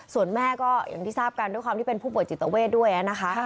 ส่วนแม่ก็อย่างที่ทราบกันด้วยความที่เป็นผู้ป่วยจิตเวทด้วยนะคะ